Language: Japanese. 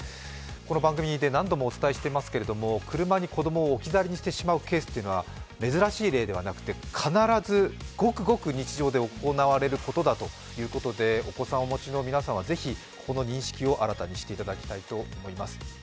この番組で何度もお伝えしていますけれども、車に子供を置き去りにしてしまうケースというのは珍しい例ではなく、必ずごくごく日常で行われることだということで、お子さんをお持ちの皆さんはぜひこの認識を新たにしていただきたいと思います。